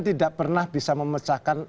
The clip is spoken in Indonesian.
tidak pernah bisa memecahkan